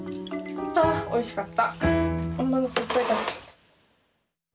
ああおいしかった。